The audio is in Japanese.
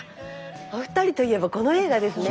お二人といえばこの映画ですね。